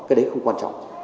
cái đấy không quan trọng